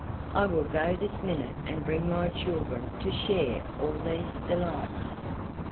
I will go this minute and bring my children to share all these delights."